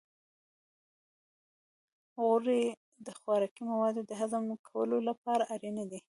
غوړې د خوراکي موادو د هضم کولو لپاره اړینې دي.